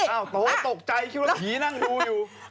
โตตกใจคิดว่าผีนั่งดูอยู่